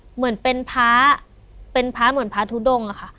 เหมือนเป็นพ้าเหมือนพ้าทุดงค่ะ